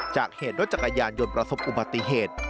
จากเหตุรถจักรยานยนต์ประสบอุบัติเหตุ